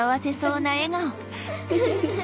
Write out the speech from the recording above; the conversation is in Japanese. フフフ。